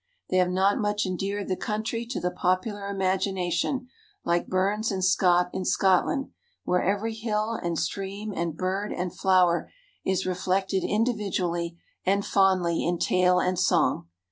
They have not much endeared the country to the popular imagination, like Burns and Scott in Scotland, where every hill and stream and bird and flower is reflected individually and fondly in tale and song.